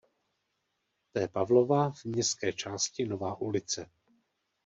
P. Pavlova v městské části Nová Ulice.